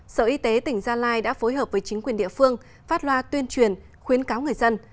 sở y tế tỉnh gia lai đã phối hợp với chính quyền địa phương phát loa tuyên truyền khuyến cáo người dân